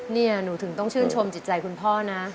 นี่หนูถึงต้องชื่นชมจิตใจคุณพ่อนะ